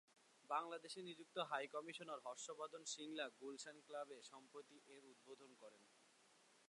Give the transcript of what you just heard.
বাংলাদেশে নিযুক্ত ভারতের হাইকমিশনার হর্ষবর্ধন শ্রিংলা গুলশান ক্লাবে সম্প্রতি এর উদ্বোধন করেন।